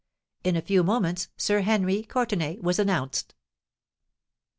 In a few moments Sir Henry Courtenay was announced.